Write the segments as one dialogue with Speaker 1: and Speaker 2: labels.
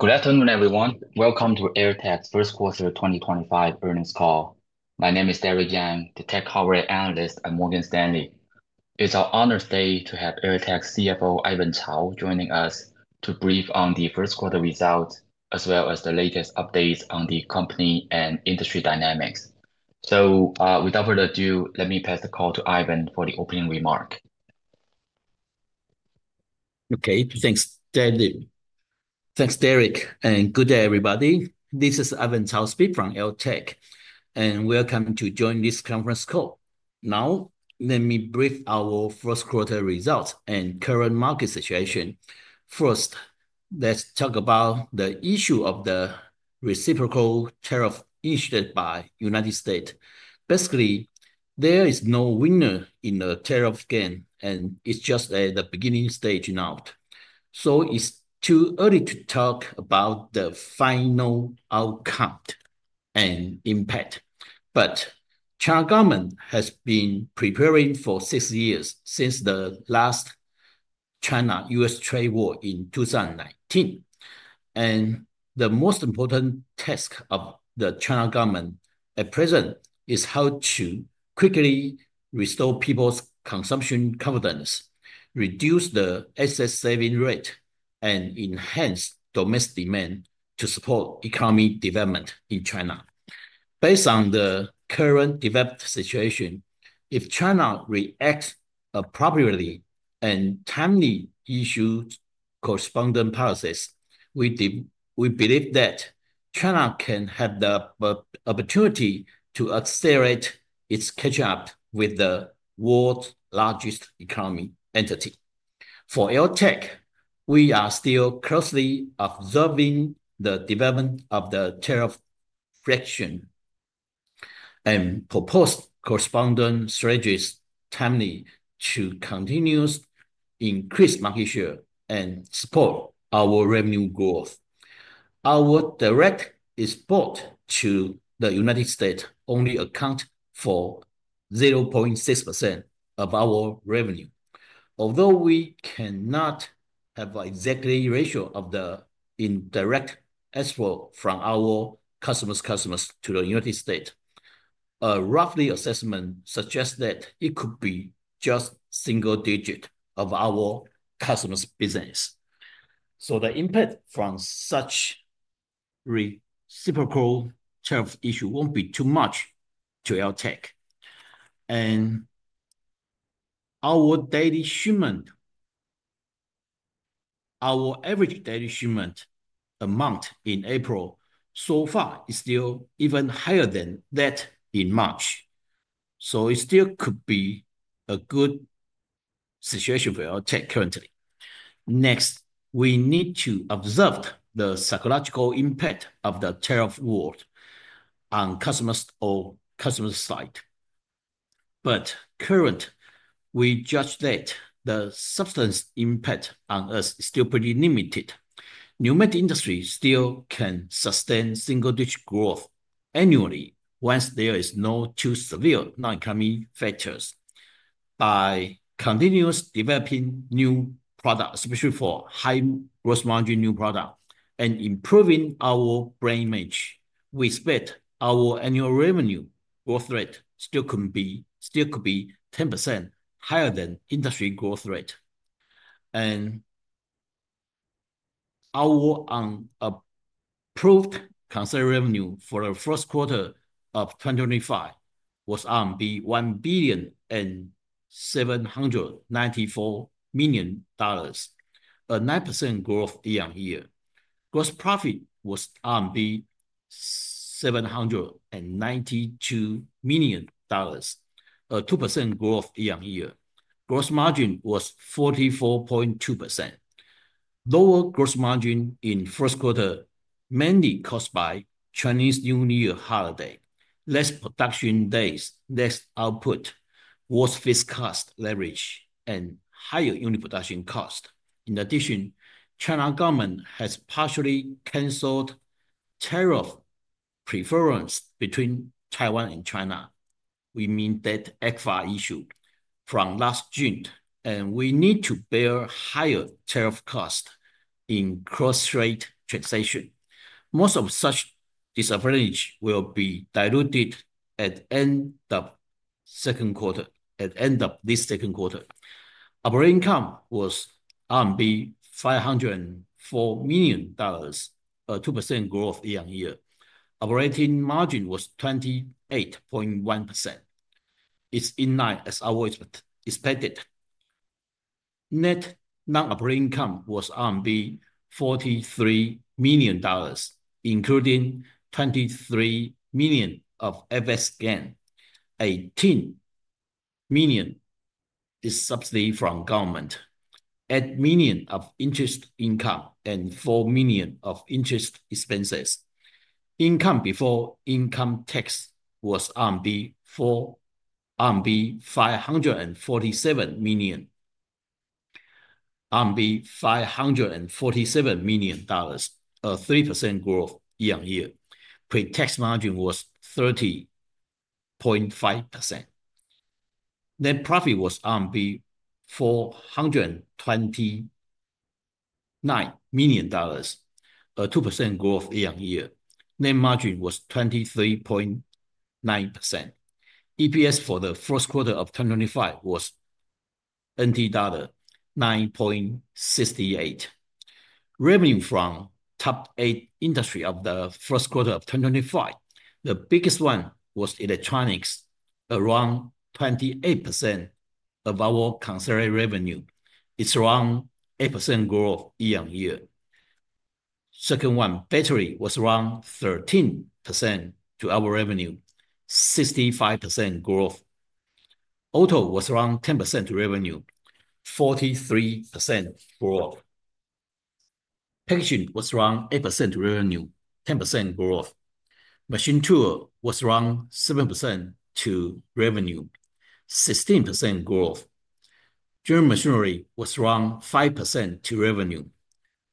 Speaker 1: Good afternoon, everyone. Welcome to AirTAC's First Quarter 2025 Earnings Call. My name is Derrick Yang, the Tech Coverage Analyst at Morgan Stanley. It's an honor today to have AirTAC's CFO, Ivan Tsao, joining us to brief on the first quarter results as well as the latest updates on the company and industry dynamics. Without further ado, let me pass the call to Ivan for the opening remark.
Speaker 2: Okay, thanks, Derrick, and good day, everybody. This is Ivan Tsao speaking from AirTAC, and welcome to join this Conference Call. Now, let me brief our first quarter results and current market situation. First, let's talk about the issue of the reciprocal tariff issued by the United States. Basically, there is no winner in the tariff game, and it's just at the beginning stage now. It is too early to talk about the final outcome and impact. The China government has been preparing for six years since the last China-U.S. trade war in 2019. The most important task of the China government at present is how to quickly restore people's consumption confidence, reduce the excess saving rate, and enhance domestic demand to support economic development in China. Based on the current developed situation, if China reacts appropriately and timely issues corresponding policies, we believe that China can have the opportunity to accelerate its catch-up with the world's largest economic entity. For AirTAC, we are still closely observing the development of the tariff flexion and propose corresponding strategies timely to continue increased market share and support our revenue growth. Our direct export to the United States only accounts for 0.6% of our revenue. Although we cannot have an exact ratio of the indirect export from our customers' customers to the United States, a rough assessment suggests that it could be just single digits of our customers' business. The impact from such reciprocal tariff issues will not be too much to AirTAC. Our daily shipment, our average daily shipment amount in April so far is still even higher than that in March. It still could be a good situation for AirTAC currently. Next, we need to observe the psychological impact of the tariff war on customers' side. Currently, we judge that the substance impact on us is still pretty limited. Numerous industries still can sustain single-digit growth annually once there are no too severe non-economic factors. By continuously developing new products, especially for high gross margin new products, and improving our brand image, we expect our annual revenue growth rate still could be 10% higher than industry growth rate. Our approved concern revenue for the first quarter of 2025 was 1.794 billion, a 9% growth year-on-year. Gross profit was RMB 792 million, a 2% growth year-on-year. Gross margin was 44.2%. Lower gross margin in the first quarter mainly caused by Chinese New Year holiday. Less production days, less output, worse fiscal leverage, and higher unit production cost. In addition, the China government has partially canceled tariff preferences between Taiwan and China. We mean that ECFA issue from last June, and we need to bear higher tariff costs in cross-trade transactions. Most of such disadvantages will be diluted at the end of the second quarter, at the end of this second quarter. Operating income was RMB 504 million, a 2% growth year-on-year. Operating margin was 28.1%. It's in line as always, but expected. Net non-operating income was RMB 43 million, including 23 million of FS gain, 18 million is subsidy from government, 8 million of interest income, and 4 million of interest expenses. Income before income tax was RMB 547 million, RMB 547 million, a 3% growth year-on-year. Pre-tax margin was 30.5%. Net profit was RMB 429 million, a 2% growth year-on-year. Net margin was 23.9%. EPS for the first quarter of 2025 was NT$ 9.68. Revenue from top eight industries of the first quarter of 2025, the biggest one was electronics, around 28% of our concern revenue. It's around 8% growth year-on-year. Second one, battery, was around 13% to our revenue, 65% growth. Auto was around 10% to revenue, 43% growth. Packaging was around 8% to revenue, 10% growth. Machine tool was around 7% to revenue, 16% growth. German machinery was around 5% to revenue,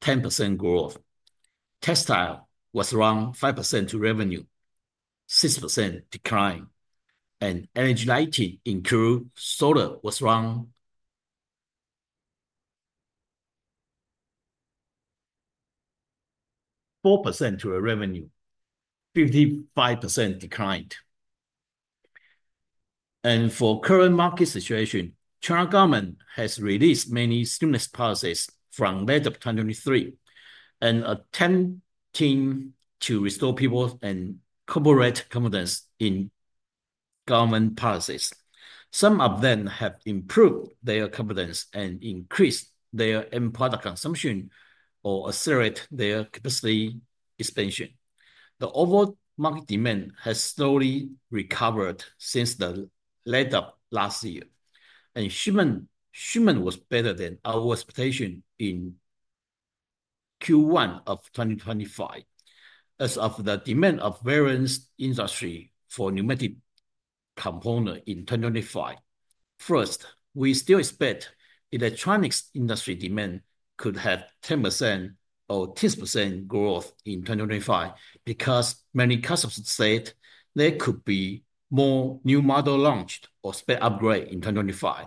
Speaker 2: 10% growth. Textile was around 5% to revenue, 6% decline. Energy-related incurred solar was around 4% to revenue, 55% declined. For current market situation, the China government has released many stimulus policies from late of 2023 and attempting to restore people's and corporate confidence in government policies. Some of them have improved their confidence and increased their end product consumption or accelerated their capacity expansion. The overall market demand has slowly recovered since the late of last year. Shipment was better than our expectation in Q1 of 2025 as of the demand of various industries for pneumatic components in 2025. First, we still expect electronics industry demand could have 10% or 10% growth in 2025 because many customers said there could be more new models launched or spec upgrades in 2025.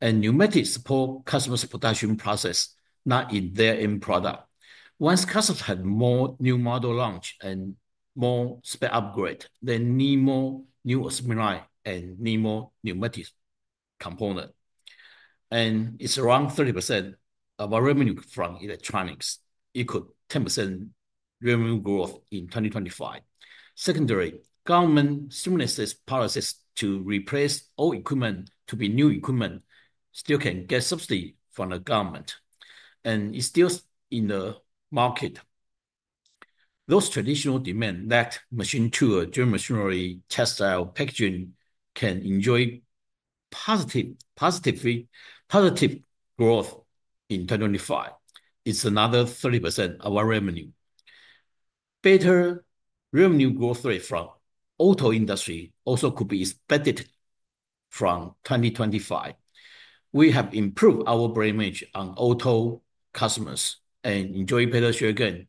Speaker 2: Pneumatics support customers' production process, not in their end product. Once customers have more new models launched and more spec upgrades, they need more new equipment and need more pneumatic components. It is around 30% of our revenue from electronics. It could be 10% revenue growth in 2025. Secondly, government stimulus policies to replace old equipment to be new equipment still can get subsidy from the government, and it is still in the market. Those traditional demands that machine tools, German machinery, textile, packaging can enjoy positive growth in 2025. It is another 30% of our revenue. Better revenue growth rate from auto industry also could be expected from 2025. We have improved our brand image on auto customers and enjoy better share gain.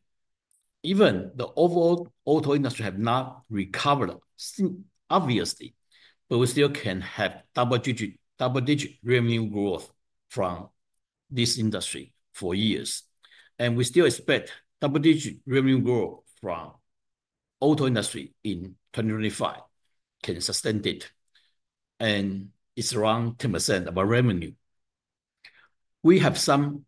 Speaker 2: Even the overall auto industry has not recovered obviously, we still can have double-digit revenue growth from this industry for years. We still expect double-digit revenue growth from auto industry in 2025 can sustain it. It is around 10% of our revenue. We have some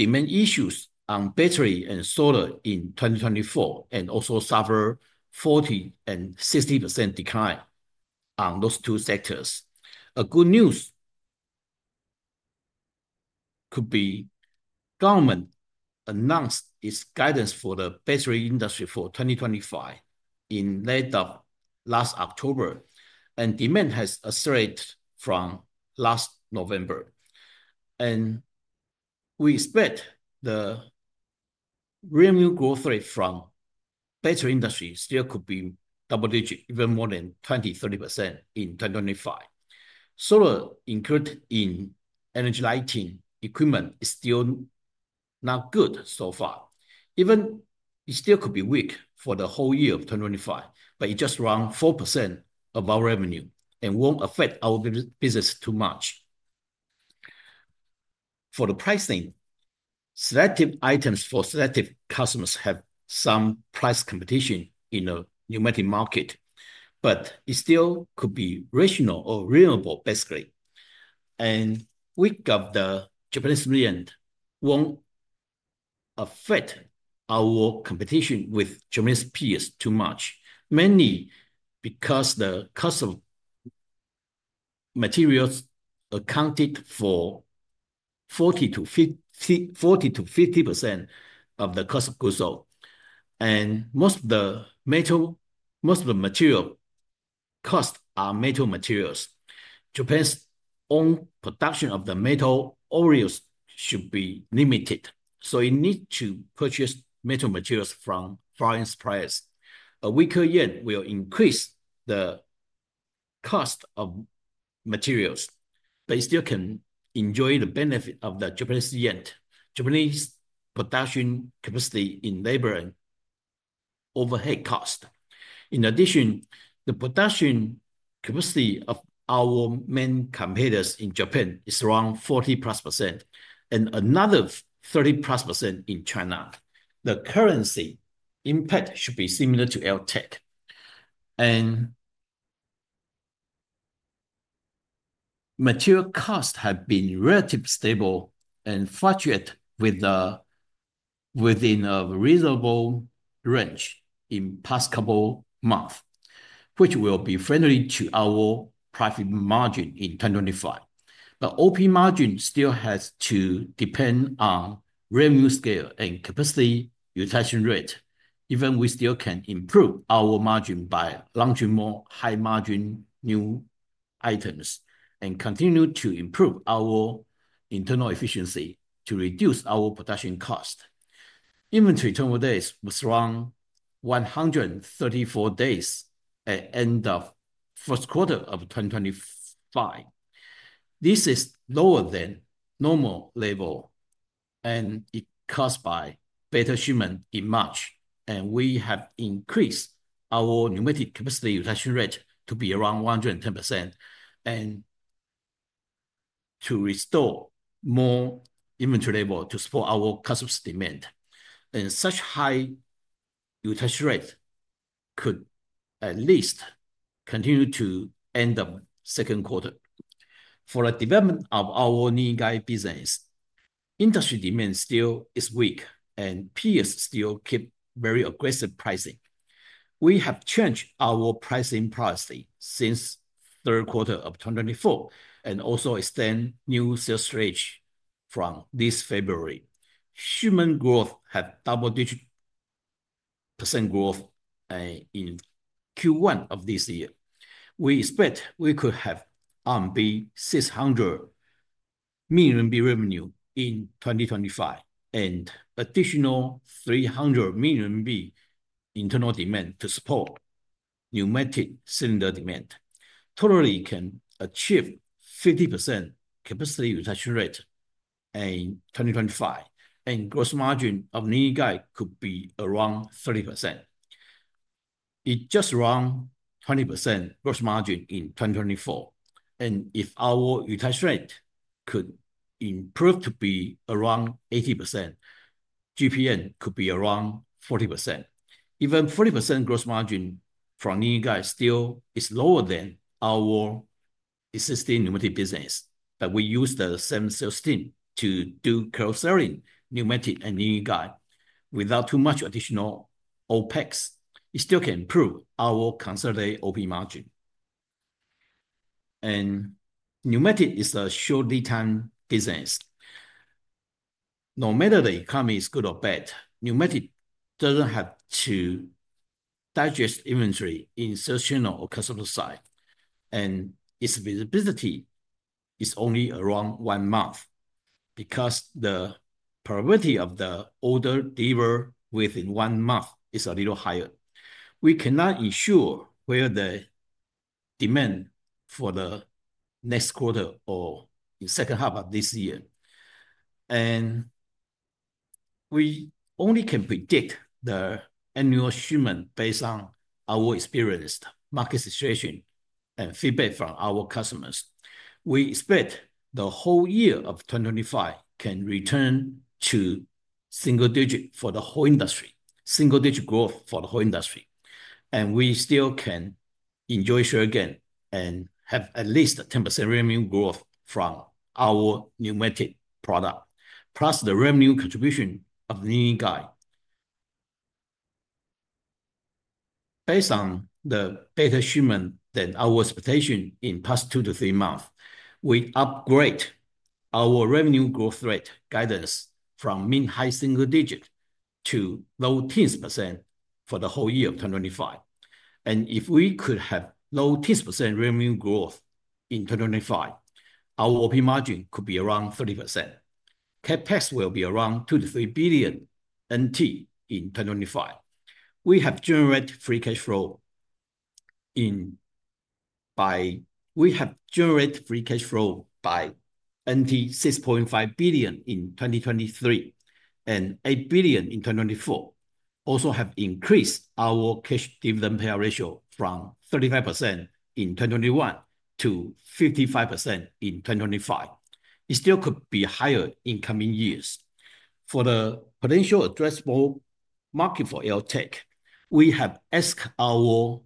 Speaker 2: demand issues on battery and solar in 2024 and also suffered 40% and 60% decline on those two sectors. A good news could be government announced its guidance for the battery industry for 2025 in late of last October, and demand has accelerated from last November. We expect the revenue growth rate from battery industry still could be double-digit, even more than 20%-30% in 2025. Solar included in energy-related equipment is still not good so far. Even it still could be weak for the whole year of 2025, but it's just around 4% of our revenue and won't affect our business too much. For the pricing, selective items for selective customers have some price competition in the pneumatic market, but it still could be rational or reasonable, basically. Weak of the Japanese merchant won't affect our competition with Japanese peers too much, mainly because the cost of materials accounted for 40%-50% of the cost of goods. Most of the metal material costs are metal materials. Japan's own production of the metal orioles should be limited, so it needs to purchase metal materials from foreign suppliers. A weaker yen will increase the cost of materials, but it still can enjoy the benefit of the Japanese yen, Japanese production capacity in labor and overhead cost. In addition, the production capacity of our main competitors in Japan is around 40% plus and another 30% plus in China. The currency impact should be similar to AirTAC. Material costs have been relatively stable and fluctuate within a reasonable range in the past couple months, which will be friendly to our profit margin in 2025. OP margin still has to depend on revenue scale and capacity utilization rate. Even so, we still can improve our margin by launching more high-margin new items and continue to improve our internal efficiency to reduce our production cost. Inventory total days was around 134 days at the end of the first quarter of 2025. This is lower than normal level, and it is caused by better shipment in March. We have increased our pneumatic capacity utilization rate to be around 110% to restore more inventory level to support our customers' demand. Such high utilization rate could at least continue to end the second quarter. For the development of our NIGAI business, industry demand still is weak, and peers still keep very aggressive pricing. We have changed our pricing policy since the third quarter of 2024 and also extend new sales range from this February. Shipment growth has double-digit % growth in Q1 of this year. We expect we could have 600 million revenue in 2025 and additional 300 million internal demand to support pneumatic cylinder demand. Totally, it can achieve 50% capacity utilization rate in 2025, and gross margin of NIGAI could be around 30%. It's just around 20% gross margin in 2024. If our utilization rate could improve to be around 80%, GPN could be around 40%. Even 40% gross margin from NIGAI still is lower than our existing pneumatic business, but we use the same sales team to do carouseling pneumatic and NIGAI without too much additional OpEx. It still can improve our concerned OP margin. Pneumatic is a short lead time business. No matter the economy is good or bad, pneumatic doesn't have to digest inventory in sales channel or customer side. Its visibility is only around one month because the probability of the order delivered within one month is a little higher. We cannot ensure where the demand for the next quarter or the second half of this year. We only can predict the annual shipment based on our experienced market situation and feedback from our customers. We expect the whole year of 2025 can return to single digit for the whole industry, single digit growth for the whole industry. We still can enjoy share gain and have at least a 10% revenue growth from our pneumatic product, plus the revenue contribution of NIGAI. Based on the better shipment than our expectation in past two to three months, we upgrade our revenue growth rate guidance from mid-high single digit to low 10% for the whole year of 2025. If we could have low 10% revenue growth in 2025, our OP margin could be around 30%. CapEx will be around 2 billion-3 billion NT in 2025. We have generated free cash flow by 6.5 billion in 2023 and 8 billion in 2024. Also have increased our cash dividend payout ratio from 35% in 2021 to 55% in 2025. It still could be higher in coming years. For the potential addressable market for AirTAC, we have asked our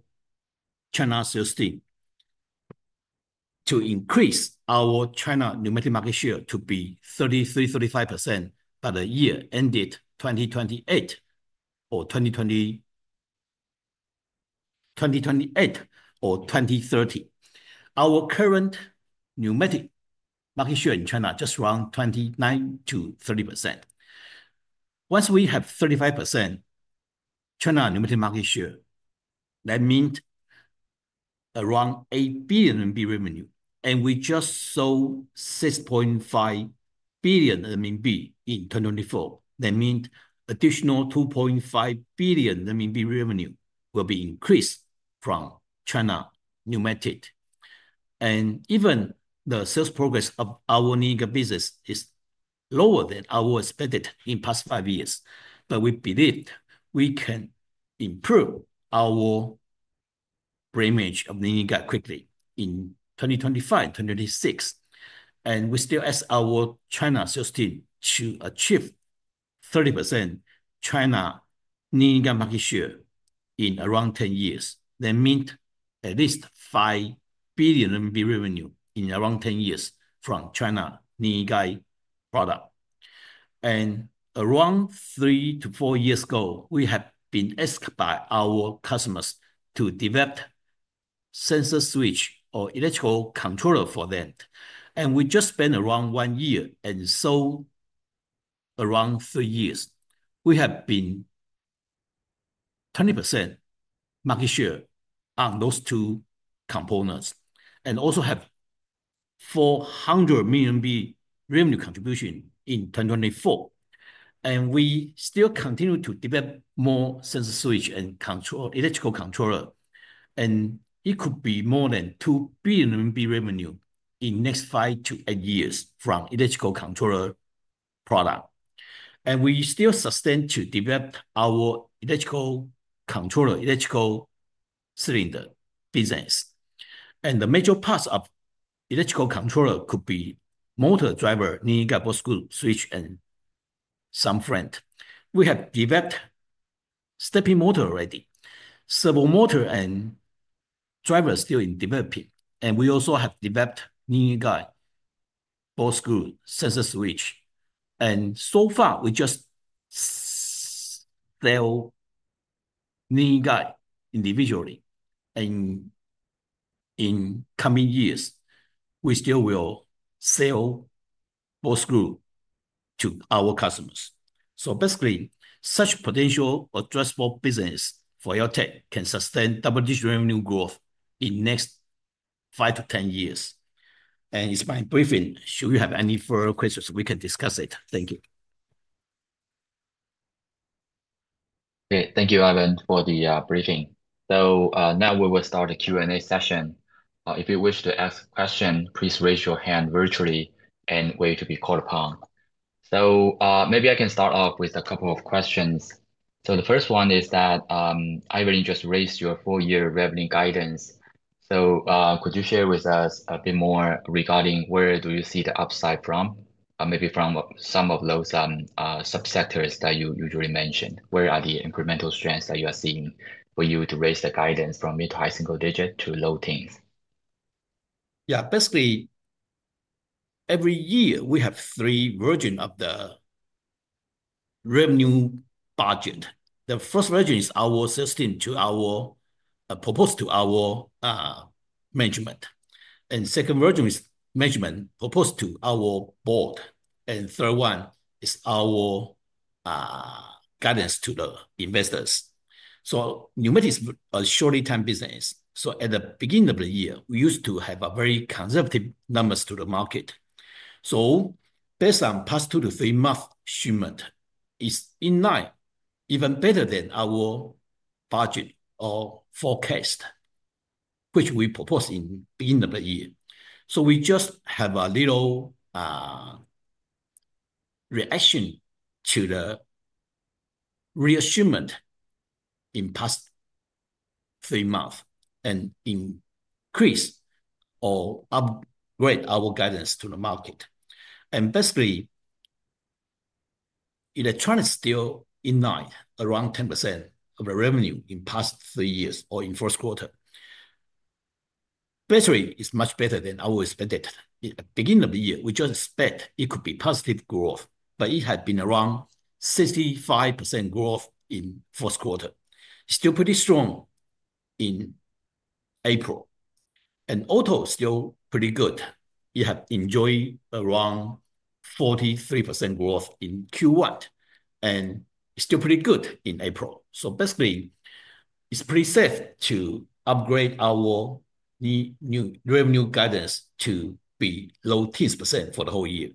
Speaker 2: China sales team to increase our China pneumatic market share to be 33%-35% by the year ended 2028 or 2028 or 2030. Our current pneumatic market share in China just around 29%-30%. Once we have 35% China pneumatic market share, that means around NT$8 billion revenue. We just sold NT$6.5 billion in 2024. That means additional NT$2.5 billion revenue will be increased from China pneumatic. Even the sales progress of our NIGAI business is lower than our expected in past five years. We believe we can improve our brand image of NIGAI quickly in 2025, 2026. We still ask our China sales team to achieve 30% China pneumatic market share in around 10 years. That means at least 5 billion revenue in around 10 years from China pneumatic product. Around three to four years ago, we have been asked by our customers to develop sensor switch or electrical controller for them. We just spent around one year and sold around three years. We have been 20% market share on those two components and also have 400 million revenue contribution in 2024. We still continue to develop more sensor switch and electrical controller. It could be more than 2 billion RMB revenue in the next five to eight years from electrical controller product. We still sustain to develop our electrical controller, electrical cylinder business. The major parts of electrical controller could be motor driver, NIGAI ball screw switch, and some front. We have developed stepping motor already. Servo motor and driver are still in developing. We also have developed NIGAI ball screw sensor switch. So far, we just sell NIGAI individually. In coming years, we still will sell ball screw to our customers. Basically, such potential addressable business for AirTAC can sustain double-digit revenue growth in the next five to ten years. It is my briefing. Should we have any further questions, we can discuss it. Thank you.
Speaker 1: Thank you, Ivan, for the briefing. Now we will start the Q&A session. If you wish to ask a question, please raise your hand virtually and wait to be called upon. Maybe I can start off with a couple of questions. The first one is that, Ivan, you just raised your four-year revenue guidance. Could you share with us a bit more regarding where you see the upside from, maybe from some of those subsectors that you usually mentioned? Where are the incremental strengths that you are seeing for you to raise the guidance from mid-high single digit to low teens?
Speaker 2: Yeah. Basically, every year we have three versions of the revenue budget. The first version is our sales team proposed to our management. The second version is management proposed to our board. The third one is our guidance to the investors. Pneumatics is a short lead time business. At the beginning of the year, we used to have very conservative numbers to the market. Based on past two to three months' shipment, it's in line, even better than our budget or forecast, which we proposed in the beginning of the year. We just have a little reaction to the reassurance in past three months and increase or upgrade our guidance to the market. Basically, electronics is still in line, around 10% of the revenue in past three years or in first quarter. Basically, it's much better than our expected. At the beginning of the year, we just expect it could be positive growth, but it had been around 65% growth in first quarter. Still pretty strong in April. Auto is still pretty good. It has enjoyed around 43% growth in Q1 and still pretty good in April. Basically, it's pretty safe to upgrade our new revenue guidance to be low 10% for the whole year.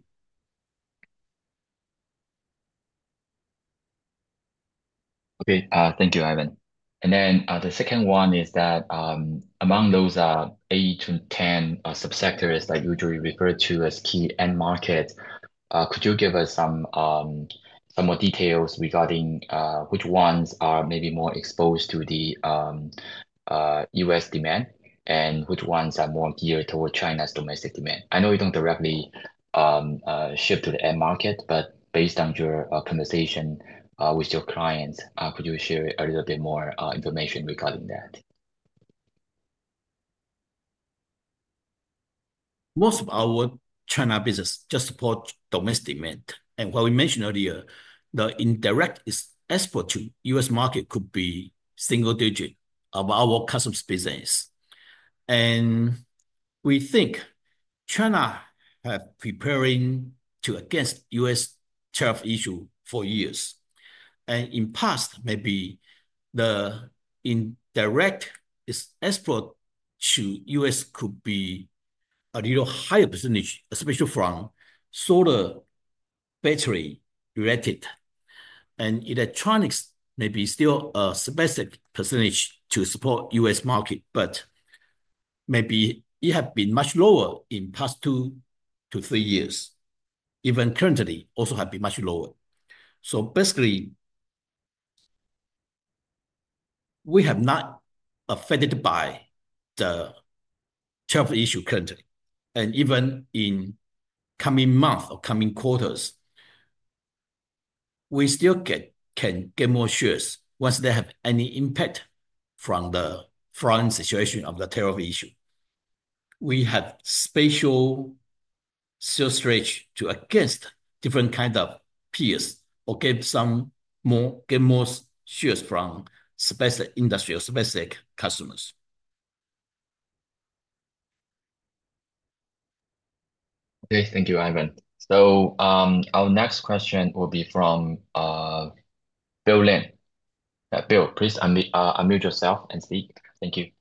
Speaker 1: Okay. Thank you, Ivan. The second one is that among those 8-10 subsectors that you usually refer to as key end markets, could you give us some more details regarding which ones are maybe more exposed to the U.S. demand and which ones are more geared towards China's domestic demand? I know you do not directly ship to the end market, but based on your conversation with your clients, could you share a little bit more information regarding that?
Speaker 2: Most of our China business just supports domestic demand. What we mentioned earlier, the indirect export to U.S. market could be single digit of our customs business. We think China has been preparing to address U.S. tariff issues for years. In the past, maybe the indirect export to U.S. could be a little higher percentage, especially from solar battery related. Electronics may be still a specific percentage to support U.S. market, but maybe it has been much lower in the past two to three years. Even currently, it also has been much lower. Basically, we have not been affected by the tariff issue currently. Even in coming months or coming quarters, we still can get more shares once they have any impact from the current situation of the tariff issue. We have special sales rate to against different kinds of peers or get more shares from specific industries, specific customers.
Speaker 1: Thank you, Ivan. Our next question will be from Bill Lin. Bill, please unmute yourself and speak. Thank you.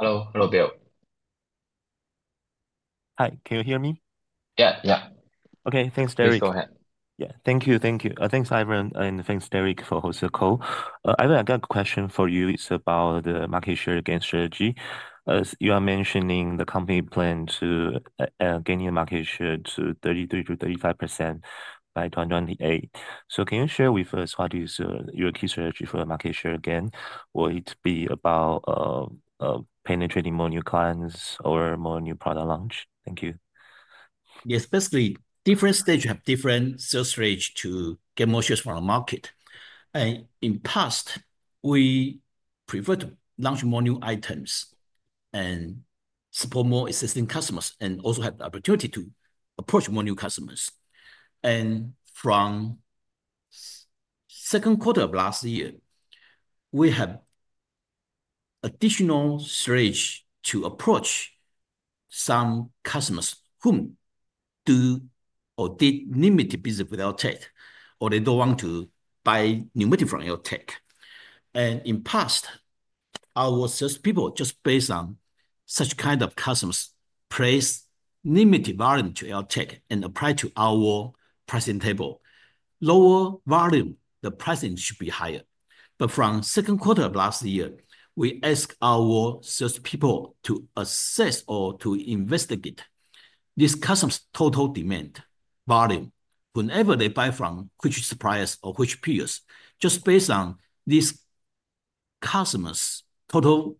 Speaker 1: Hello. Hello, Bill. Hi. Can you hear me?
Speaker 3: Yeah. Yeah. Thank you, Derrick.
Speaker 1: Please go ahead.
Speaker 3: Thank you. Thank you. Thanks, Ivan. And thanks, Derrick, for hosting the call. Ivan, I got a question for you. It's about the market share gain strategy. You are mentioning the company plan to gain your market share to 33%-35% by 2028. Can you share with us what is your key strategy for the market share gain? Will it be about penetrating more new clients or more new product launch? Thank you.
Speaker 2: Yes. Basically, different stages have different sales rates to get more shares from the market. In the past, we preferred to launch more new items and support more existing customers and also have the opportunity to approach more new customers. From second quarter of last year, we have additional surge to approach some customers who do or did limited business with AirTAC or they don't want to buy pneumatic from AirTAC. In the past, our salespeople, just based on such kind of customers, place limited volume to AirTAC and apply to our pricing table. Lower volume, the pricing should be higher. From the second quarter of last year, we asked our salespeople to assess or to investigate these customers' total demand volume. Whenever they buy from which suppliers or which peers, just based on these customers' total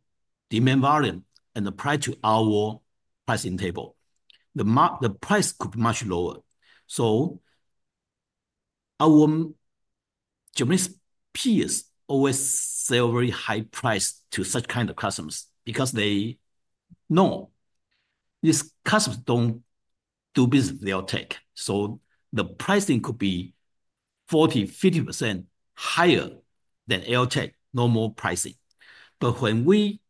Speaker 2: demand volume and apply to our pricing table, the price could be much lower. Our Japanese peers always sell very high price to such kind of customers because they know these customers do not do business with AirTAC. The pricing could be 40%-50% higher than AirTAC normal pricing. When we,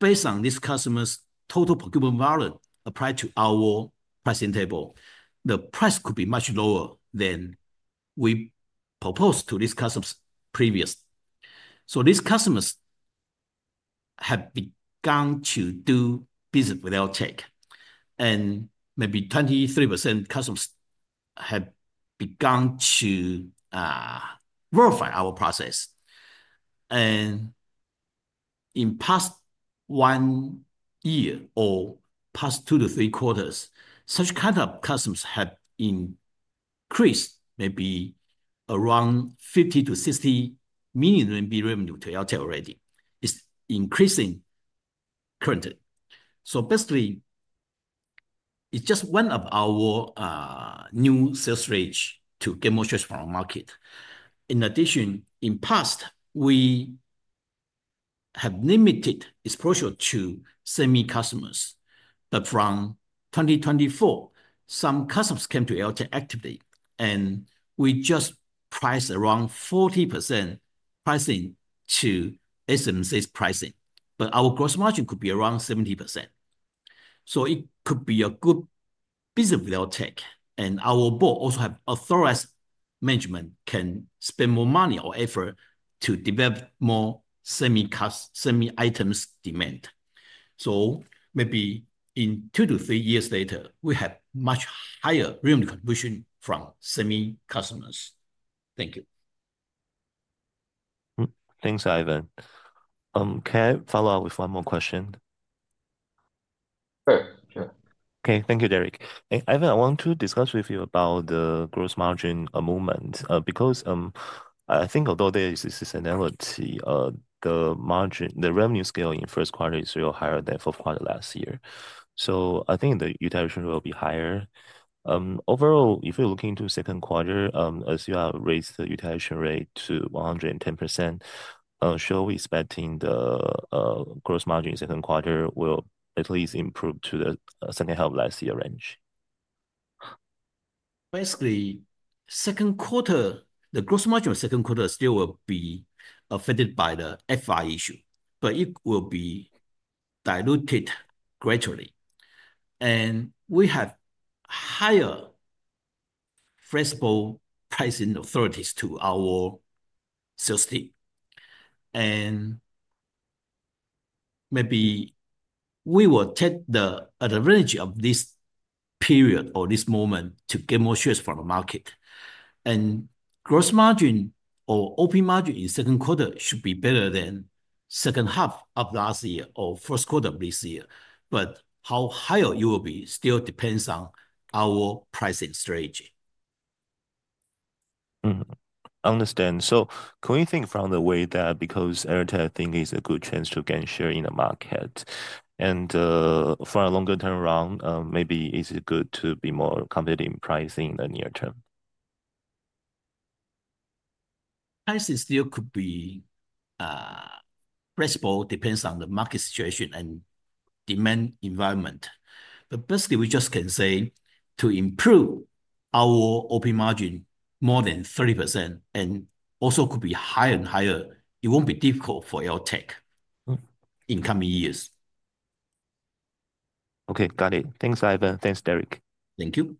Speaker 2: based on these customers' total procurement volume applied to our pricing table, the price could be much lower than we proposed to these customers previously. These customers have begun to do business with AirTAC. Maybe 23% customers have begun to verify our process. In the past one year or past two to three quarters, such kind of customers have increased maybe around NT$50 million-NT$60 million revenue to AirTAC already. It is increasing currently. Basically, it just went up our new sales rate to get more shares from our market. In addition, in the past, we have limited exposure to semi customers. From 2024, some customers came to AirTAC actively, and we just priced around 40% pricing to SMC's pricing. Our gross margin could be around 70%. It could be a good business with AirTAC. Our board also have authorized management can spend more money or effort to develop more semi items demand. Maybe in two to three years later, we have much higher revenue contribution from semi customers. Thank you.
Speaker 3: Thanks, Ivan. Can I follow up with one more question?
Speaker 1: Sure. Sure.
Speaker 3: Thank you, Derrick. Ivan, I want to discuss with you about the gross margin movement because I think although there is this analogy of the margin, the revenue scale in first quarter is still higher than fourth quarter last year. I think the utilization will be higher. Overall, if you're looking into second quarter, as you have raised the utilization rate to 110%, shall we expect the gross margin in second quarter will at least improve to the second half of last year range?
Speaker 2: Basically, second quarter, the gross margin of second quarter still will be affected by the FI issue, but it will be diluted gradually. We have higher flexible pricing authorities to our sales team. Maybe we will take the advantage of this period or this moment to get more shares from the market. Gross margin or operating margin in second quarter should be better than second half of last year or first quarter of this year. How higher it will be still depends on our pricing strategy.
Speaker 3: I understand. Can we think from the way that because AirTAC, I think, is a good chance to gain share in the market. For a longer term around, maybe it is good to be more competitive in pricing in the near term.
Speaker 2: Pricing still could be flexible depends on the market situation and demand environment. But basically, we just can say to improve our operating margin more than 30% and also could be higher and higher, it won't be difficult for AirTAC in coming years.
Speaker 3: Okay. Got it. Thanks, Ivan. Thanks, Derrick.
Speaker 2: Thank you.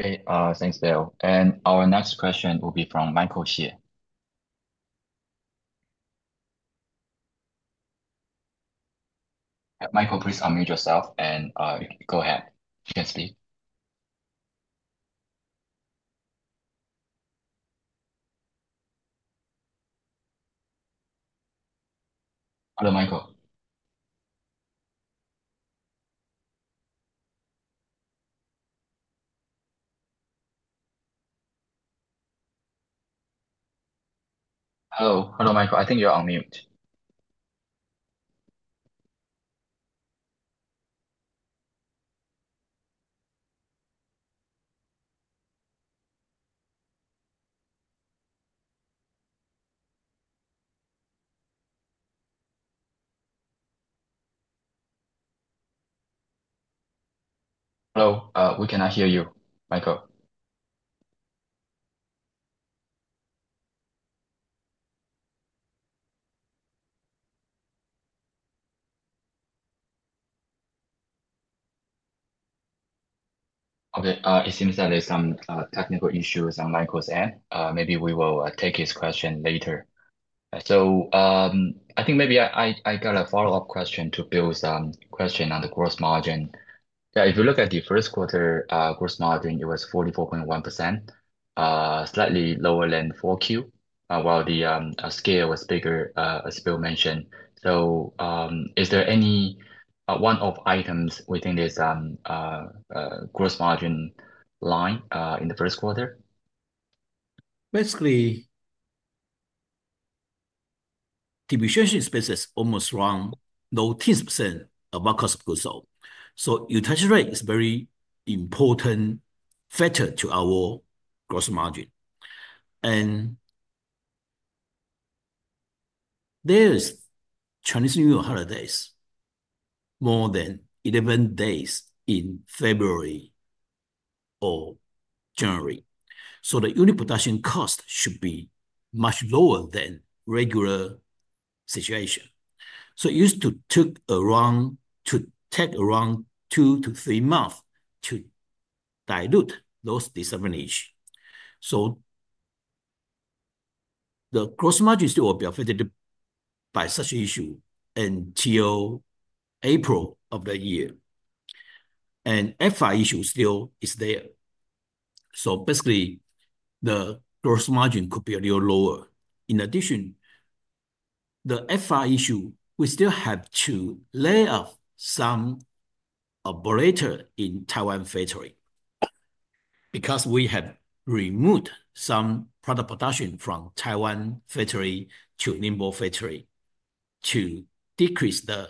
Speaker 1: Okay. Thanks, Bill. Our next question will be from Michael Shea. Michael, please unmute yourself and go ahead. You can speak. Hello, Michael. Hello. Hello, Michael. I think you're on mute. Hello. We cannot hear you, Michael. Okay. It seems that there's some technical issues on Michael's end. Maybe we will take his question later. I think maybe I got a follow-up question to Bill's question on the gross margin. Yeah. If you look at the first quarter gross margin, it was 44.1%, slightly lower than Q4, while the scale was bigger, as Bill mentioned. Is there any one of items within this gross margin line in the first quarter?
Speaker 2: Basically, deviation space is almost around 19% of our cost per customer. Utilization rate is a very important factor to our gross margin. There are Chinese New Year holidays more than 11 days in February or January. The unit production cost should be much lower than regular situation. It used to take around two to three months to dilute those disadvantage. The gross margin still will be affected by such issue until April of the year. FI issue still is there. Basically, the gross margin could be a little lower. In addition, the FI issue, we still have to lay off some operators in Taiwan factory because we have removed some product production from Taiwan factory to Ningbo factory to decrease the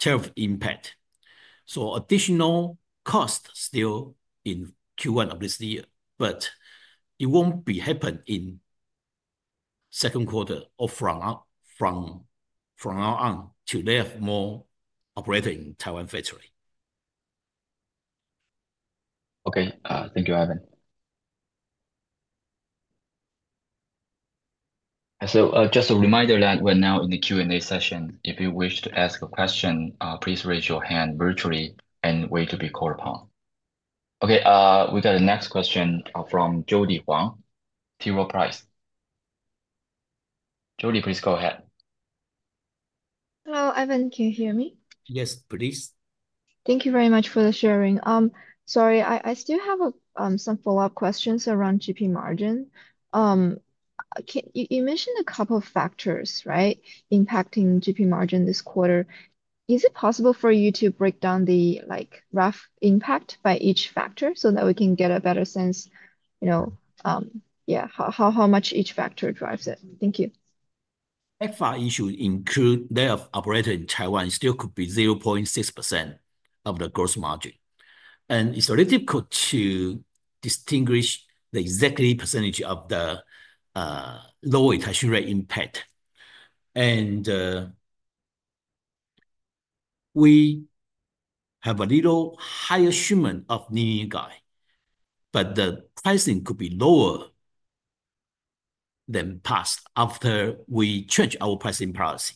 Speaker 2: tariff impact. Additional cost still in Q1 of this year, but it won't happen in second quarter or from now on to lay off more operators in Taiwan factory.
Speaker 1: Okay. Thank you, Ivan. Just a reminder that we're now in the Q&A session. If you wish to ask a question, please raise your hand virtually and wait to be called upon. Okay. We got a next question from Jodie Huang, T. Rowe Price. Jodie, please go ahead.
Speaker 4: Hello, Ivan. Can you hear me?
Speaker 2: Yes, please.
Speaker 4: Thank you very much for the sharing. Sorry, I still have some follow-up questions around GP margin. You mentioned a couple of factors, right, impacting GP margin this quarter. Is it possible for you to break down the rough impact by each factor so that we can get a better sense? Yeah, how much each factor drives it? Thank you.
Speaker 2: FI issue include layoff operators in Taiwan still could be 0.6% of the gross margin. It is a little difficult to distinguish the exactly percentage of the lower tax rate impact. We have a little higher shipment of Ningbo, but the pricing could be lower than past after we change our pricing policy.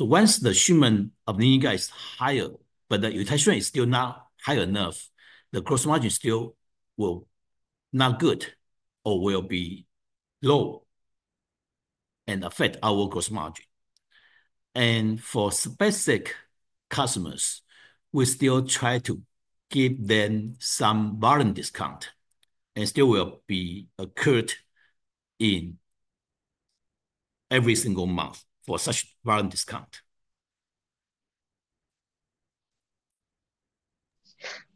Speaker 2: Once the shipment of Ningbo is higher, but the utilization is still not high enough, the gross margin still will not be good or will be low and affect our gross margin. For specific customers, we still try to give them some volume discount, and still will be occurred in every single month for such volume discount.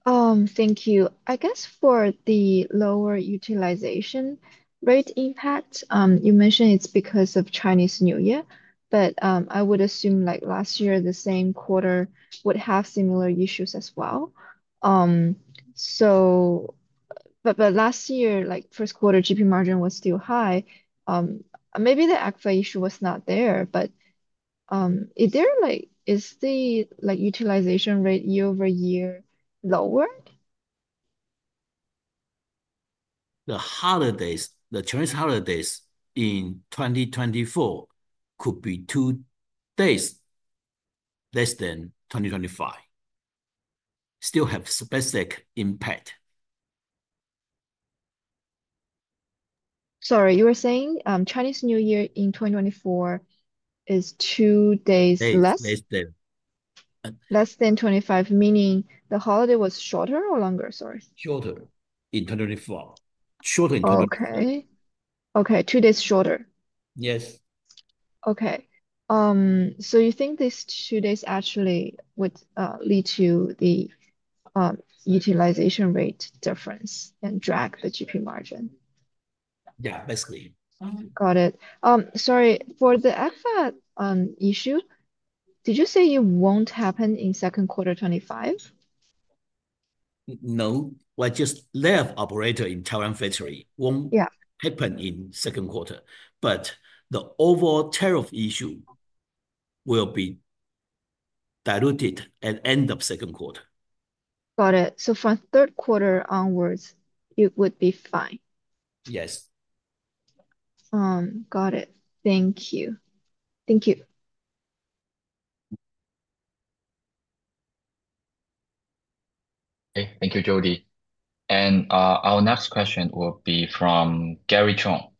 Speaker 4: Thank you. I guess for the lower utilization rate impact, you mentioned it is because of Chinese New Year, but I would assume last year, the same quarter would have similar issues as well. Last year, first quarter GP margin was still high. Maybe the ECFA issue was not there, but is the utilization rate year over year lower?
Speaker 2: The holidays, the Chinese holidays in 2024 could be two days less than 2025. Still have specific impact.
Speaker 4: Sorry, you were saying Chinese New Year in 2024 is two days less? Less than 2025, meaning the holiday was shorter or longer? Sorry.
Speaker 2: Shorter in 2024. Shorter in 2024.
Speaker 4: Okay. Okay. Two days shorter.
Speaker 2: Yes.
Speaker 4: Okay. You think these two days actually would lead to the utilization rate difference and drag the GP margin?
Speaker 2: Yeah, basically.
Speaker 4: Got it. Sorry, for the ECFA issue, did you say it will not happen in second quarter 2025?
Speaker 2: No. Just layoff operators in Taiwan factory will not happen in second quarter. The overall tariff issue will be diluted at end of second quarter. Got it.
Speaker 4: From third quarter onwards, it would be fine.
Speaker 2: Yes.
Speaker 4: Got it. Thank you. Thank you.
Speaker 1: Okay. Thank you, Jodie. Our next question will be from Gary Chong.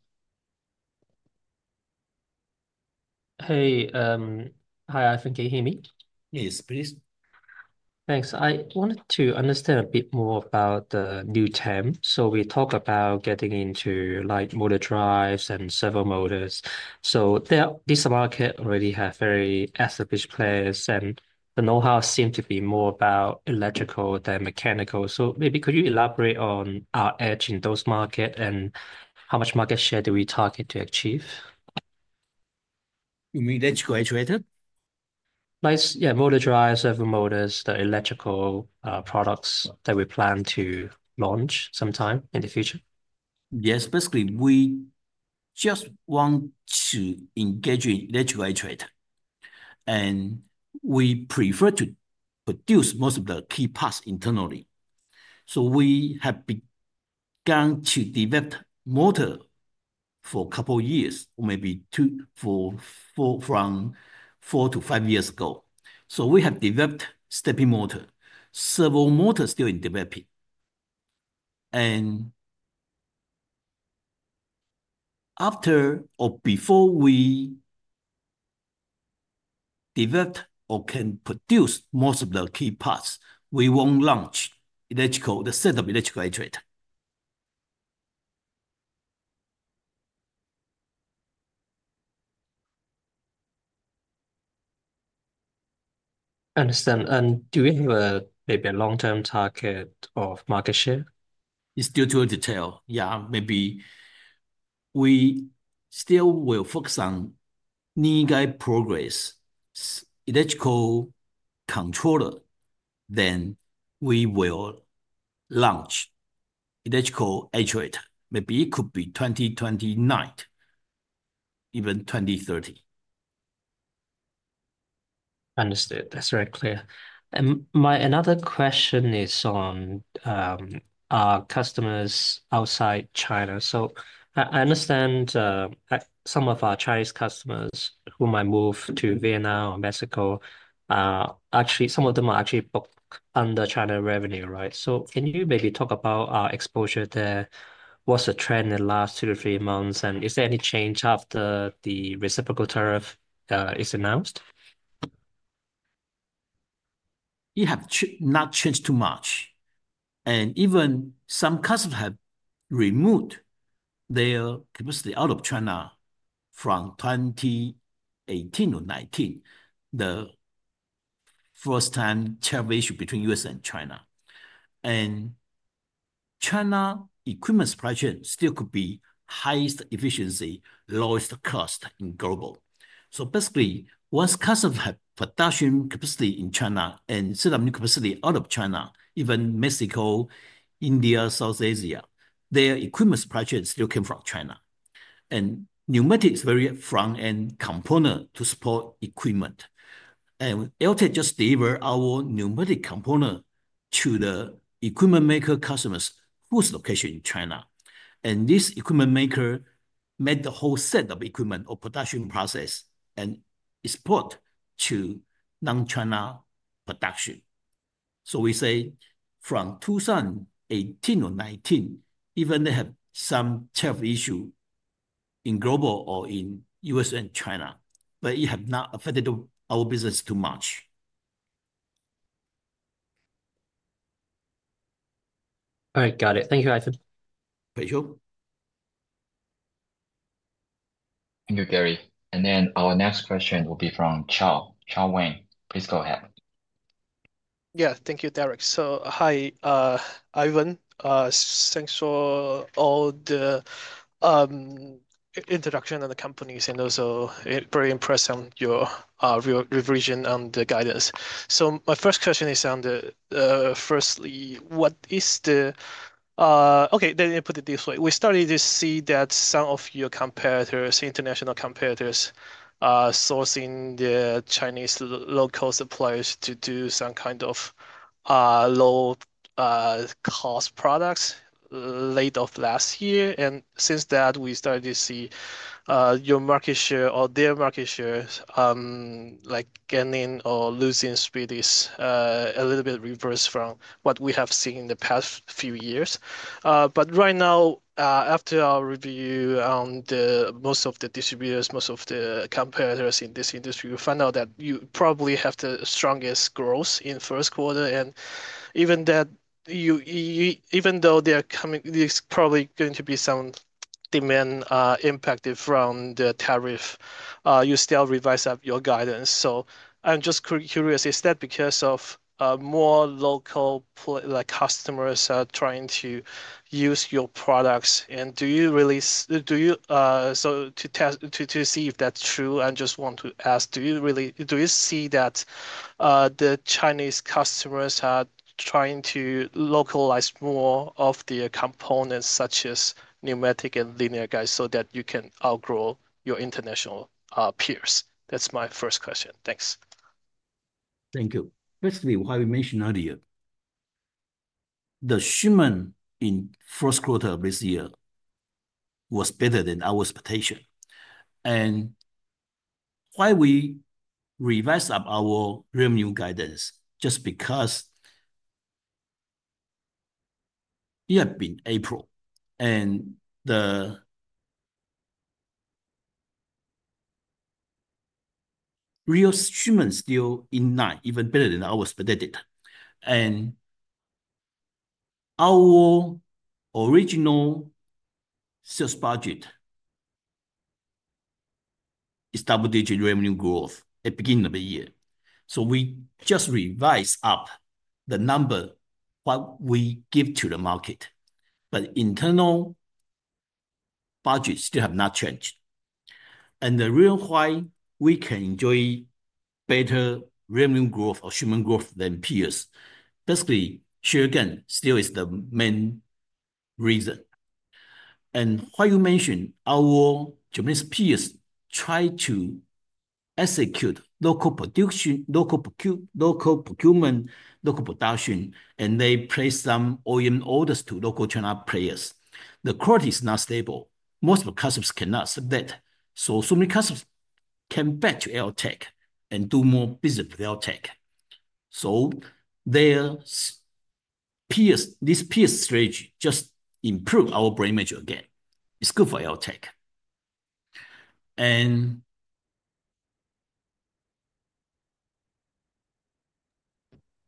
Speaker 1: Hey. Hi, Ivan. Can you hear me?
Speaker 2: Yes, please. Thanks. I wanted to understand a bit more about the new TAM. We talk about getting into motor drives and servo motors. This market already has very established players, and the know-how seems to be more about electrical than mechanical. Maybe could you elaborate on our edge in those markets and how much market share do we target to achieve? You mean that's graduated? Yeah. Motor drives, servo motors, the electrical products that we plan to launch sometime in the future. Yes. Basically, we just want to engage in electrical iterator. We prefer to produce most of the key parts internally. We have begun to develop motor for a couple of years or maybe from four to five years ago. We have developed stepping motor. Servo motor is still in developing. After or before we develop or can produce most of the key parts, we won't launch the set of electrical iterator. Understand. Do you have a maybe a long-term target of market share? It's due to detail. Yeah. Maybe we still will focus on Ningbo progress, electrical controller, then we will launch electrical iterator. Maybe it could be 2029, even 2030. Understood. That's very clear. My another question is on our customers outside China. I understand some of our Chinese customers who might move to Vietnam or Mexico, actually, some of them are actually booked under China revenue, right? Can you maybe talk about our exposure there? What's the trend in the last two to three months? Is there any change after the reciprocal tariff is announced? It has not changed too much. Even some customers have removed their capacity out of China from 2018 or 2019, the first-time tariff issue between the U.S. and China. The China equipment supply chain still could be highest efficiency, lowest cost in global. Basically, once customers have production capacity in China and set up new capacity out of China, even Mexico, India, South Asia, their equipment supply chain still came from China. Pneumatics is a very front-end component to support equipment. AirTAC just delivered our pneumatic component to the equipment maker customers whose location in China. This equipment maker made the whole set of equipment or production process and export to non-China production. We say from 2018 or 2019, even they have some tariff issue in global or in U.S. and China, but it has not affected our business too much. All right. Got it. Thank you, Ivan. Thank you.
Speaker 1: Thank you, Gary. Our next question will be from Chao Weng. Please go ahead. Yeah. Thank you, Derrick. Hi, Ivan. Thanks for all the introduction of the companies and also very impressed on your revision on the guidance. My first question is on the firstly, what is the okay, let me put it this way. We started to see that some of your competitors, international competitors, sourcing the Chinese local suppliers to do some kind of low-cost products late of last year. Since that, we started to see your market share or their market share gaining or losing speed is a little bit reversed from what we have seen in the past few years. Right now, after our review on most of the distributors, most of the competitors in this industry, we found out that you probably have the strongest growth in first quarter. Even though there is probably going to be some demand impacted from the tariff, you still revise up your guidance. I am just curious, is that because of more local customers trying to use your products? To see if that is true, I just want to ask, do you see that the Chinese customers are trying to localize more of their components, such as pneumatic and linear guides, so that you can outgrow your international peers? That is my first question. Thanks.
Speaker 2: Thank you. Basically, why we mentioned earlier, the shipment in first quarter of this year was better than our expectation. Why we revise up our revenue guidance? Just because it had been April, and the real shipment is still in line, even better than our expected. Our original sales budget is double-digit revenue growth at the beginning of the year. We just revise up the number what we give to the market. Internal budgets still have not changed. The real why we can enjoy better revenue growth or shipment growth than peers, basically, share again still is the main reason. Why you mentioned our Japanese peers try to execute local procurement, local production, and they place some OEM orders to local China players. The quality is not stable. Most of the customers cannot submit. Many customers can back to AirTAC and do more business with AirTAC. These peers' strategy just improved our brand measure again. It's good for AirTAC.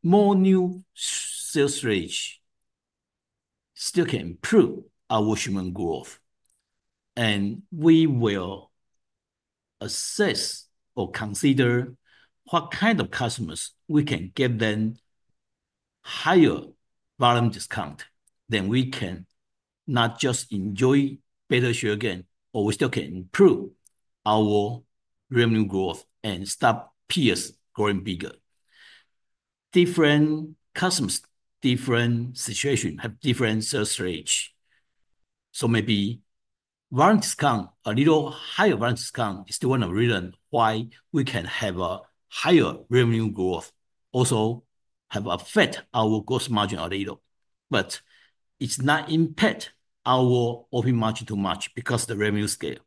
Speaker 2: More new sales rates still can improve our shipment growth. We will assess or consider what kind of customers we can give them higher volume discount than we can not just enjoy better share again, or we still can improve our revenue growth and stop peers growing bigger. Different customers, different situations have different sales rates. Maybe volume discount, a little higher volume discount is the one reason why we can have a higher revenue growth, also have affected our gross margin a little. It's not impact our open margin too much because of the revenue scale.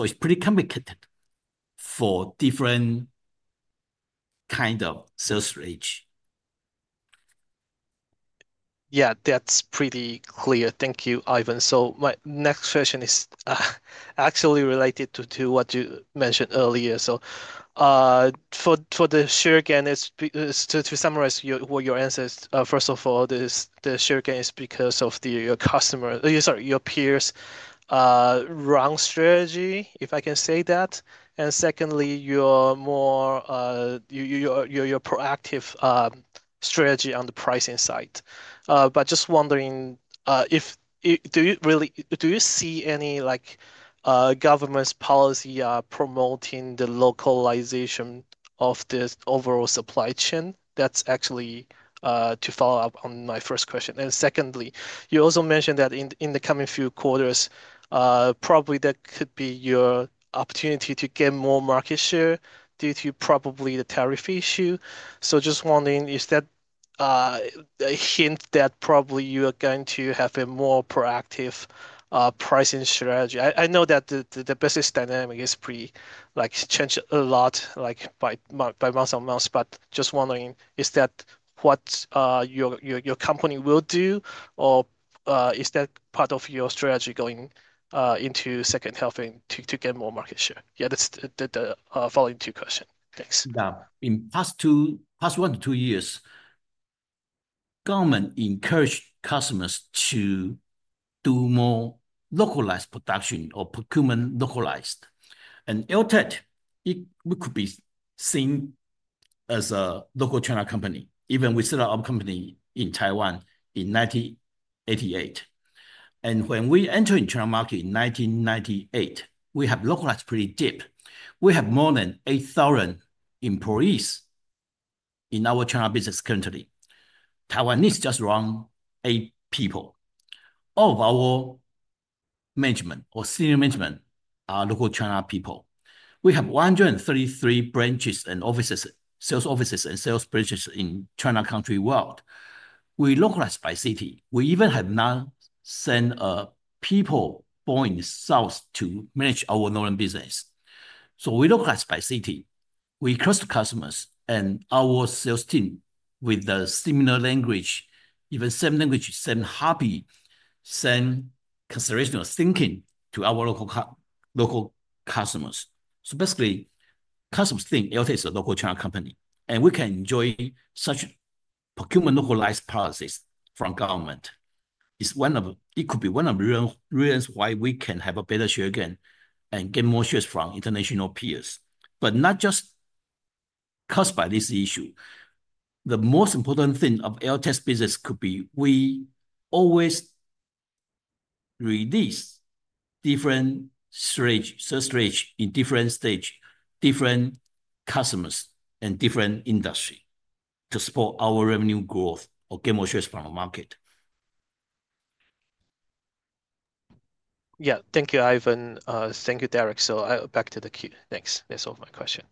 Speaker 2: It's pretty complicated for different kind of sales rate. Yeah, that's pretty clear. Thank you, Ivan. My next question is actually related to what you mentioned earlier. For the share again, to summarize what your answer is, first of all, the share again is because of your customer, sorry, your peers' wrong strategy, if I can say that. Secondly, your proactive strategy on the pricing side. Just wondering, do you see any government's policy promoting the localization of this overall supply chain? That is actually to follow up on my first question. Secondly, you also mentioned that in the coming few quarters, probably there could be your opportunity to get more market share due to probably the tariff issue. Just wondering, is that a hint that probably you are going to have a more proactive pricing strategy?I know that the business dynamic is pretty changed a lot by months and months, but just wondering, is that what your company will do, or is that part of your strategy going into second half to get more market share? Yeah, that's the following two questions. Thanks. In the past one to two years, government encouraged customers to do more localized production or procurement localized. And AirTAC, we could be seen as a local China company, even we set up our company in Taiwan in 1988. When we entered the China market in 1998, we have localized pretty deep. We have more than 8,000 employees in our China business currently. Taiwanese just around eight people. All of our management or senior management are local China people. We have 133 branches and sales offices and sales branches in China country world. We localize by city. We even have not sent a people born in the south to manage our northern business. We localize by city. We trust customers and our sales team with the similar language, even same language, same hobby, same consideration of thinking to our local customers. Basically, customers think AirTAC is a local China company. We can enjoy such procurement localized policies from government. It could be one of the reasons why we can have a better share again and get more shares from international peers. Not just caused by this issue. The most important thing of AirTAC's business could be we always release different sales rates in different stages, different customers, and different industries to support our revenue growth or gain more shares from the market. Yeah. Thank you, Ivan. Thank you, Derrick. Back to the queue. Thanks. That's all my question.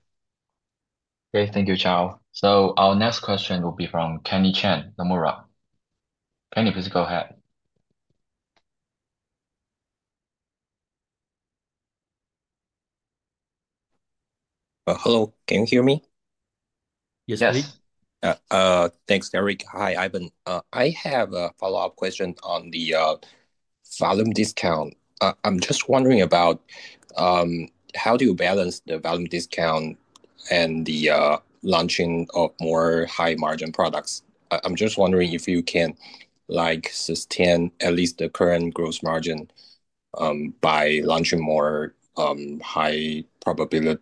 Speaker 1: Okay. Thank you, Chao. Our next question will be from Kenny Chan, Nomura. Kenny, please go ahead. Hello. Can you hear me?
Speaker 5: Yes. Thanks, Derrick. Hi, Ivan. I have a follow-up question on the volume discount. I'm just wondering about how do you balance the volume discount and the launching of more high-margin products? I'm just wondering if you can sustain at least the current gross margin by launching more high-profitability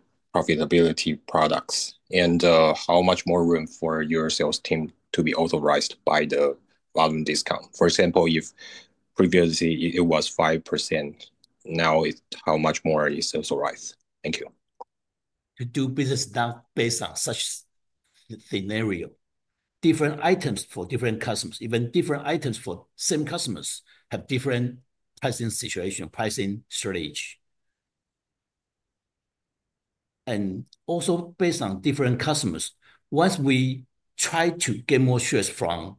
Speaker 5: products and how much more room for your sales team to be authorized by the volume discount. For example, if previously it was 5%, now how much more is authorized? Thank you.
Speaker 2: To do business now based on such scenario. Different items for different customers, even different items for same customers have different pricing situation, pricing strategy. Also, based on different customers, once we try to get more shares from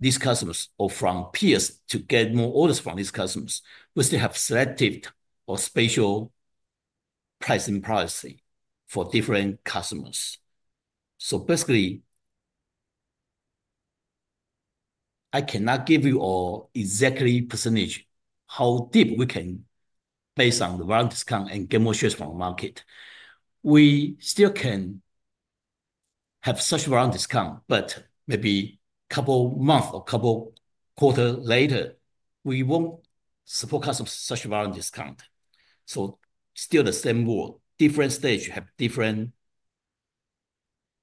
Speaker 2: these customers or from peers to get more orders from these customers, we still have selective or special pricing policy for different customers. Basically, I cannot give you exact percentage how deep we can base on the volume discount and get more shares from the market. We still can have such volume discount, but maybe a couple of months or a couple of quarters later, we will not support customers with such volume discount. Still the same rule. Different stage has different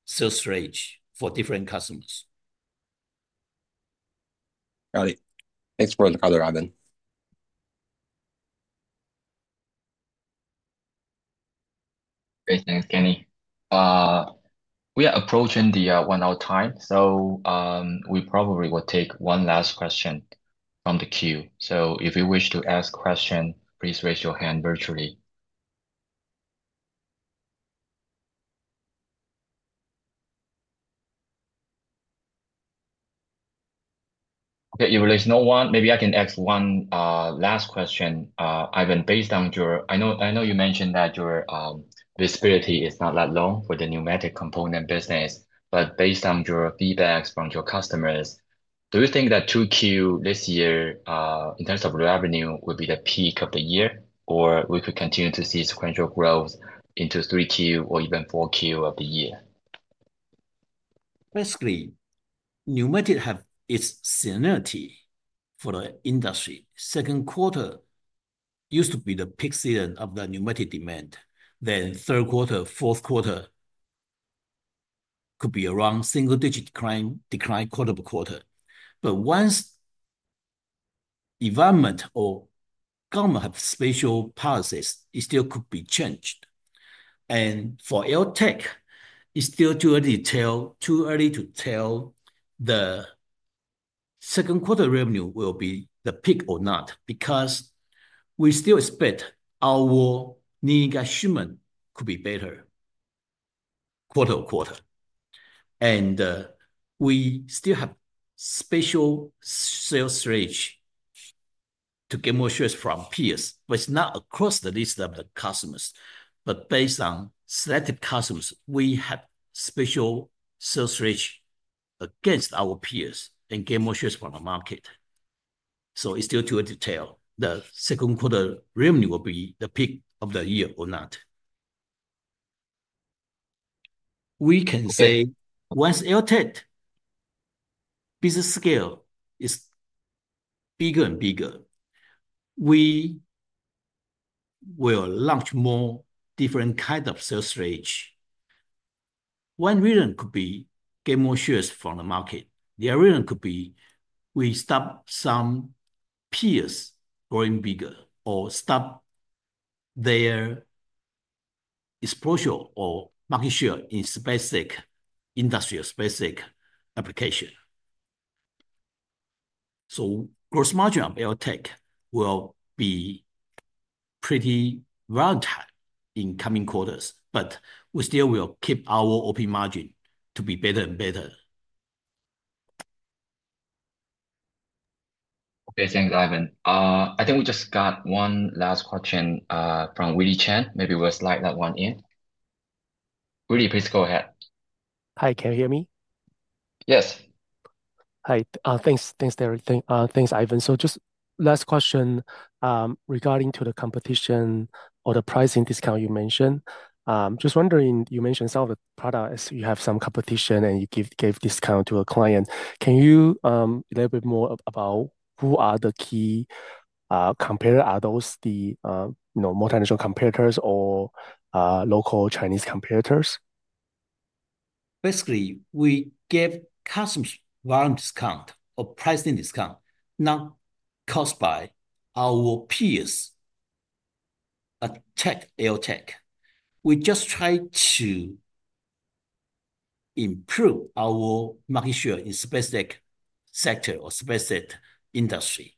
Speaker 2: sales rates for different customers.
Speaker 5: Got it. Thanks for the cover, Ivan.
Speaker 1: Great. Thanks, Kenny. We are approaching the one-hour time. We probably will take one last question from the queue. If you wish to ask a question, please raise your hand virtually. Okay. If there is no one, maybe I can ask one last question, Ivan, based on your I know you mentioned that your visibility is not that long for the pneumatic component business, but based on your feedback from your customers, do you think that 2Q this year in terms of revenue would be the peak of the year, or we could continue to see sequential growth into 3Q or even 4Q of the year?
Speaker 2: Basically, pneumatic has its seniority for the industry. Second quarter used to be the peak season of the pneumatic demand. Third quarter, fourth quarter could be around single-digit decline quarter by quarter. Once the environment or government have spatial policies, it still could be changed. For AirTAC, it's still too early to tell if the second quarter revenue will be the peak or not because we still expect our linear shipment could be better quarter on quarter. We still have special sales range to get more shares from peers, but it's not across the list of the customers. Based on selective customers, we have special sales range against our peers and get more shares from the market. It's still too early to tell if the second quarter revenue will be the peak of the year or not. We can say once AirTAC business scale is bigger and bigger, we will launch more different kinds of sales range. One reason could be to get more shares from the market. The other reason could be we stop some peers growing bigger or stop their exposure or market share in specific industries, specific applications. Gross margin of AirTAC will be pretty volatile in coming quarters, but we still will keep our operating margin to be better and better.
Speaker 1: Okay. Thanks, Ivan. I think we just got one last question from Willie Chan. Maybe we'll slide that one in. Willie, please go ahead. Hi. Can you hear me?
Speaker 2: Yes. Hi. Thanks, Derrick. Thanks, Ivan. Just last question regarding the competition or the pricing discount you mentioned. Just wondering, you mentioned some of the products, you have some competition, and you gave discount to a client. Can you elaborate more about who are the key competitors? Are those the multinational competitors or local Chinese competitors? Basically, we gave customers volume discount or pricing discount not caused by our peers at AirTAC. We just try to improve our market share in specific sector or specific industry.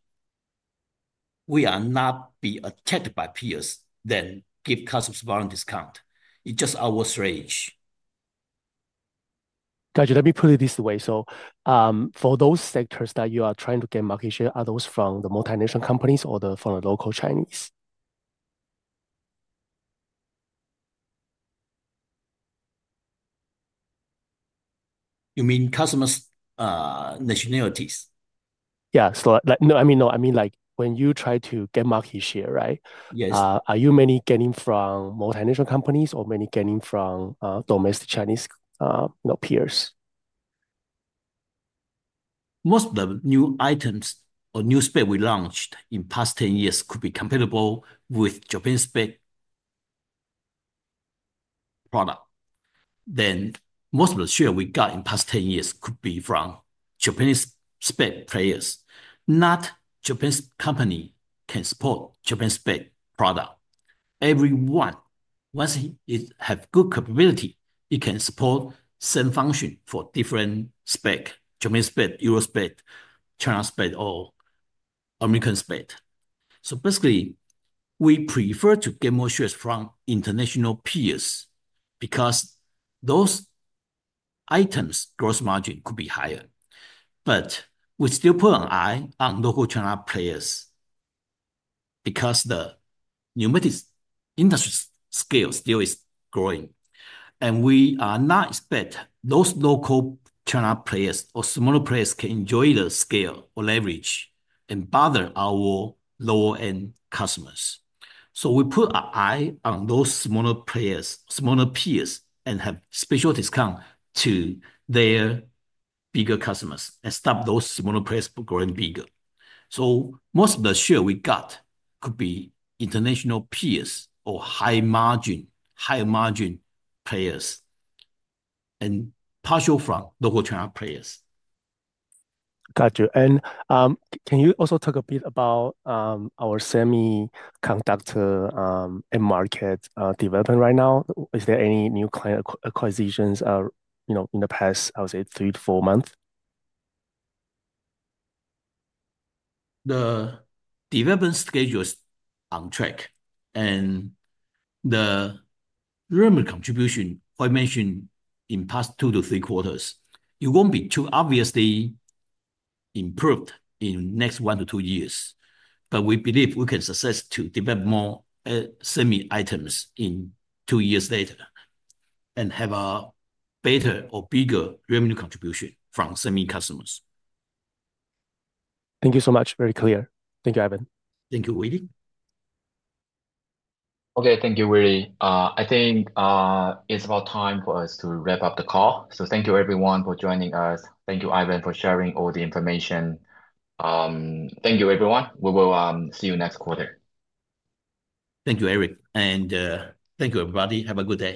Speaker 2: We are not being attacked by peers that give customers volume discount. It's just our strategy. Gotcha. Let me put it this way. For those sectors that you are trying to get market share, are those from the multinational companies or from the local Chinese? You mean customers' nationalities? Yeah. No, I mean, when you try to get market share, right? Yes. Are you mainly getting from multinational companies or mainly getting from domestic Chinese peers? Most of the new items or new specs we launched in the past 10 years could be compatible with Japanese spec product. Most of the share we got in the past 10 years could be from Japanese spec players. Not Japanese company can support Japanese spec product. Everyone, once it has good capability, it can support same function for different spec: Japanese spec, Euro spec, China spec, or American spec. Basically, we prefer to get more shares from international peers because those items' gross margin could be higher. We still put an eye on local China players because the pneumatic industry scale still is growing. We are not expecting those local China players or smaller players can enjoy the scale or leverage and bother our lower-end customers. We put our eye on those smaller players, smaller peers, and have special discounts to their bigger customers and stop those smaller players from growing bigger. Most of the share we got could be international peers or high-margin players and partial from local China players. Gotcha. Can you also talk a bit about our semiconductor end market development right now? Is there any new client acquisitions in the past, I would say, three to four months? The development schedule is on track. The revenue contribution I mentioned in the past two to three quarters, it won't be too obviously improved in the next one to two years. We believe we can succeed to develop more semi items in two years later and have a better or bigger revenue contribution from semi customers. Thank you so much. Very clear. Thank you, Ivan. Thank you, Willie.
Speaker 1: Okay. Thank you, Willie. I think it's about time for us to wrap up the call. Thank you, everyone, for joining us. Thank you, Ivan, for sharing all the information. Thank you, everyone. We will see you next quarter.
Speaker 2: Thank you, Eric. Thank you, everybody. Have a good day.